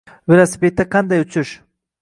Velosipedda qanday uchish.